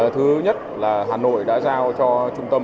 thứ nhất là hà nội đã giao cho trung tâm